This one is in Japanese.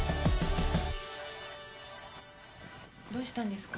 どうしたんですか？